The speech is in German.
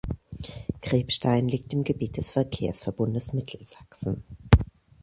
Kriebstein liegt im Gebiet des Verkehrsverbundes Mittelsachsen.